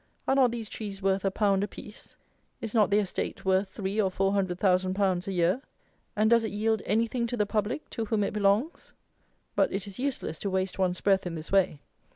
Are not these trees worth a pound apiece? Is not the estate worth three or four hundred thousand pounds a year? And does it yield anything to the public, to whom it belongs? But it is useless to waste one's breath in this way.